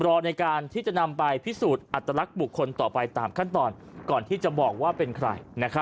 รอในการที่จะนำไปพิสูจน์อัตลักษณ์บุคคลต่อไปตามขั้นตอนก่อนที่จะบอกว่าเป็นใคร